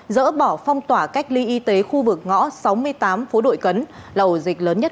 dỡ bỏ phong tỏa cách ly y tế khu vực ngõ sáu mươi tám phố đội cấn là ổ dịch lớn nhất